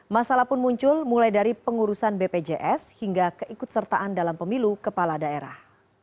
masalah pun muncul mulai dari pengurusan bpjs hingga keikut sertaan dalam pemilu kepala daerah